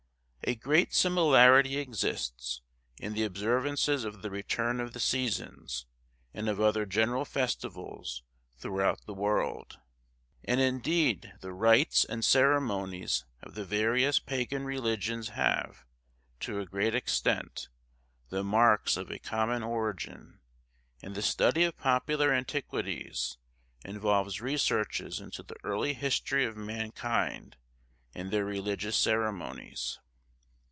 A great similarity exists in the observances of the return of the seasons, and of other general festivals throughout the world; and indeed the rites and ceremonies of the various pagan religions have, to a great extent, the marks of a common origin; and the study of popular antiquities involves researches into the early history of mankind, and their religious ceremonies.